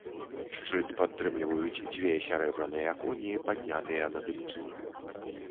Шчыт падтрымліваюць дзве сярэбраныя коні, паднятыя на дыбкі.